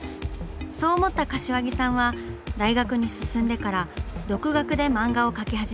そう思った柏木さんは大学に進んでから独学で漫画を描き始めます。